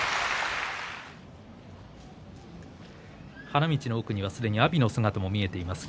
花道の奥には、すでに阿炎の姿も見えています。